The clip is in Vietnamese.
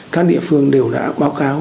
các địa phương đều đã báo cáo